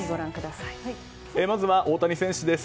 まず大谷選手です。